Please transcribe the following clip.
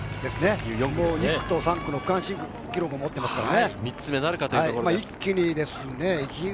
２区と３区の区間新記録を持っていますからね。